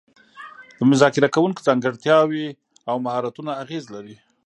د مذاکره کوونکو ځانګړتیاوې او مهارتونه اغیز لري